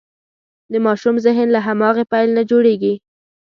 د ماشوم ذهن له هماغې پیل نه جوړېږي.